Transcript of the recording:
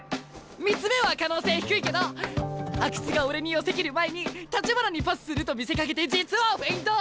３つ目は可能性低いけど阿久津が俺に寄せ切る前に橘にパスすると見せかけて実はフェイント！